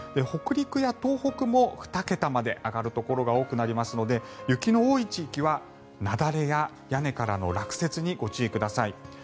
北陸や東北も２桁まで上がるところが多くなりますので雪の多い地域は雪崩や屋根からの落雪にご注意ください。